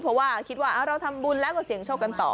เพราะว่าเราจะทำบุญแล้วก็จะเสี่ยงโชคกันต่อ